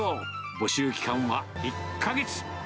募集期間は１か月。